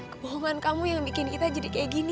kebohongan kamu yang bikin kita jadi kayak gini